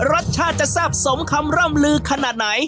รสชาติจะแซ่บสมคำร่ำลือขนาดไหน